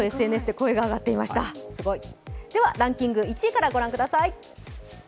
ではランキング１位からご覧ください。